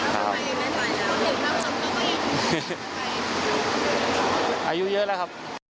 ไม่ไปแล้วอายุเยอะแล้วครับ